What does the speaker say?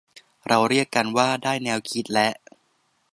เราเรียกกันว่า ได้แนวคิดและ